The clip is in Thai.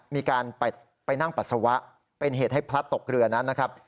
มีการไปนั่งปัสสาวะเป็นเหตุให้พลัดตกเรือนั้นนะครับ